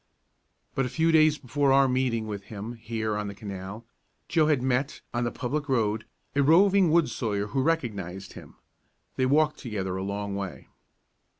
But a few days before our meeting with him here on the canal Joe had met, on the public road, a roving wood sawyer who recognized him. They walked together a long way.